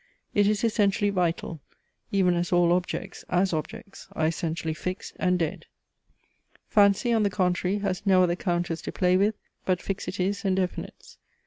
It is essentially vital, even as all objects (as objects) are essentially fixed and dead. FANCY, on the contrary, has no other counters to play with, but fixities and definites.